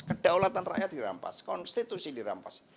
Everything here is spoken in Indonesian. kedaulatan rakyat dirampas konstitusi dirampas